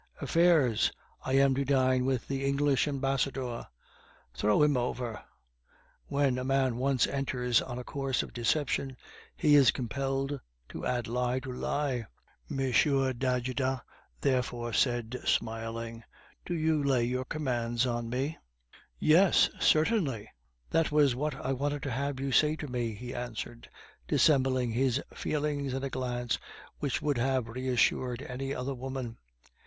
"Affairs! I am to dine with the English Ambassador." "Throw him over." When a man once enters on a course of deception, he is compelled to add lie to lie. M. d'Ajuda therefore said, smiling, "Do you lay your commands on me?" "Yes, certainly." "That was what I wanted to have you say to me," he answered, dissembling his feelings in a glance which would have reassured any other woman.